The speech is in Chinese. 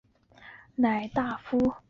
孔达有子得闾叔榖仍为大夫。